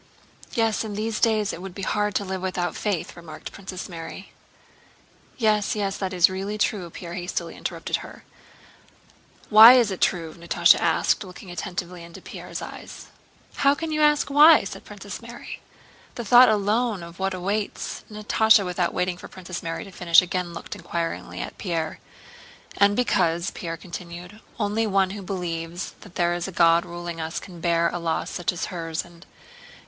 "Yes, in these days it would be hard to live without faith..." remarked Princess Mary. "Yes, yes, that is really true," Pierre hastily interrupted her. "Why is it true?" Natásha asked, looking attentively into Pierre's eyes. "How can you ask why?" said Princess Mary. "The thought alone of what awaits..." Natásha without waiting for Princess Mary to finish again looked inquiringly at Pierre. "And because," Pierre continued, "only one who believes that there is a God ruling us can bear a loss such as hers and...